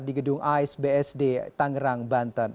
di gedung ais bsd tangerang banten